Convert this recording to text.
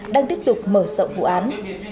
đang tiếp tục mở sậu vụ án